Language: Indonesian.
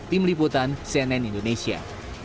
tim liputan cnn indonesia